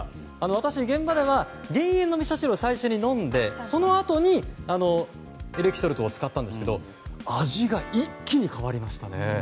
私、現場では減塩のみそ汁を最初に飲んでそのあとにエレキソルトを使ったんですけど味が一気に変わりましたね。